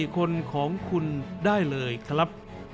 ๔คนของคุณได้เลยครับ